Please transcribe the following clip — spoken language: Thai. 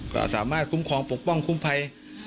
ก็สามารถคุ้มครองปกป้องคุ้มภัย